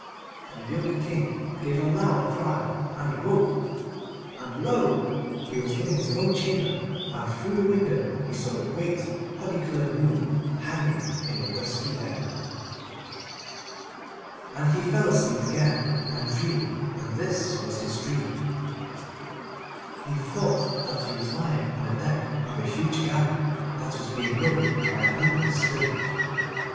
And the young King gave a loud cry and woke, and lo! he was in his own chamber, and through the window he saw the great honey coloured moon hanging in the dusky air. And he fell asleep again and dreamed, and this was his dream. He thought that he was lying on the deck of a huge galley that was being rowed by a hundred slaves.